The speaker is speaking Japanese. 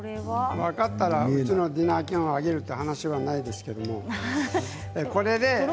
分かったらうちのディナー券をあげるという話は、ないですけれど。